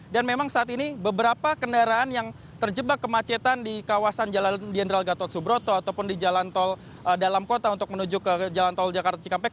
dan memang saat ini beberapa kendaraan yang terjebak kemacetan di kawasan jenderal gatot subroto ataupun di jalan tol dalam kota untuk menuju ke jalan tol jakarta cikampek